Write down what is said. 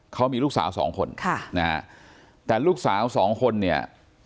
เพราะมีลูกสาวสองคนแต่ลูกสาวสองคนเนี่ย